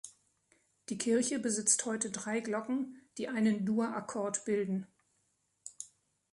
Die Kirche besitzt heute drei Glocken, die einen Dur-Akkord bilden.